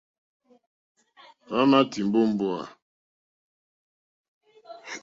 Hwámà tìmbá ó mbówà.